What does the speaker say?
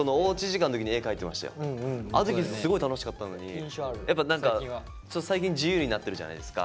俺だからあの時すごい楽しかったのにやっぱ何か最近自由になってるじゃないですか。